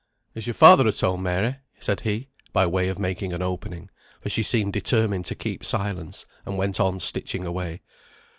"Is your father at home, Mary?" said he, by way of making an opening, for she seemed determined to keep silence, and went on stitching away.